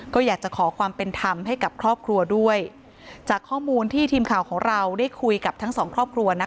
ก็อยากจะขอความเป็นธรรมให้กับครอบครัวด้วยจากข้อมูลที่ทีมข่าวของเราได้คุยกับทั้งสองครอบครัวนะคะ